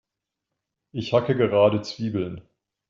Ich hacke gerade Zwiebeln.